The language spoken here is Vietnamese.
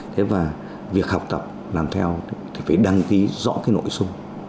thế và việc học tập làm theo thì phải đăng ký rõ cái nội dung